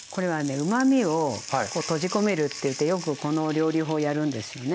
うまみを閉じ込めるっていってよくこの料理法やるんですよね。